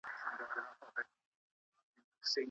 که ټول ښاریان اصول رعایت کړي، نو ښار نه وروسته پاته کیږي.